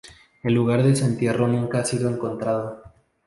El lugar de su entierro nunca ha sido encontrado.